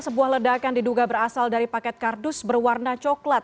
sebuah ledakan diduga berasal dari paket kardus berwarna coklat